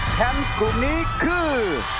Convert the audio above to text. แชมป์กลุ่มนี้คือ